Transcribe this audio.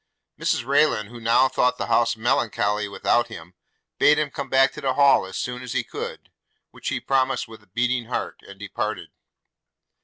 Mrs Rayland, who now thought the house melancholy without him, bade him come back to the Hall as soon as he could, which he promised with a beating heart, and departed.